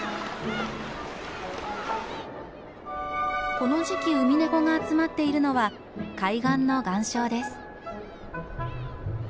この時期ウミネコが集まっているのは海岸の岩礁です。